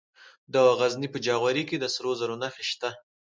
د غزني په جاغوري کې د سرو زرو نښې شته.